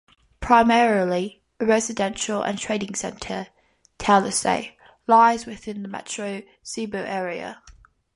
Primarily a residential and trading center, Talisay lies within the Metro Cebu area.